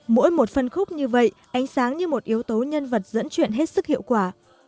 mỗi một phân khúc như vậy ánh sáng như một yếu tố nhân vật dẫn chuyện hết sức hiệu quả